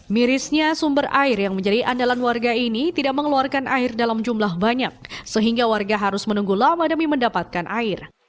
mirisnya sumber air yang menjadi andalan warga ini tidak mengeluarkan air dalam jumlah banyak sehingga warga harus menunggu lama demi mendapatkan air